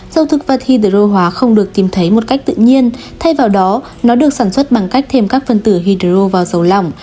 dầu thực vật hydro hóa không được tìm thấy một cách tự nhiên thay vào đó nó được sản xuất bằng cách thêm các phân tử hydro vào dầu lỏng